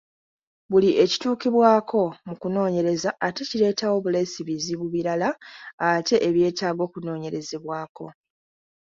Buli ekituukibwako mu kunoonyereza ate kireetawo buleesi bizibu birala ate ebyetaaga okunoonyerezebwako.